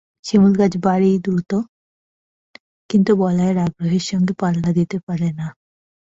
শিমুলগাছ বাড়েও দ্রুত, কিন্তু বলাইয়ের আগ্রহের সঙ্গে পাল্লা দিতে পারে না।